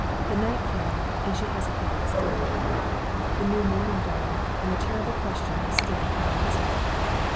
The night came and she hesitated still. The new morning dawned and the terrible question was still unanswered.